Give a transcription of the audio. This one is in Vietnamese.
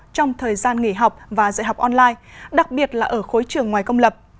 trong thời gian nghỉ học và dạy học online đặc biệt là ở khối trường ngoài công lập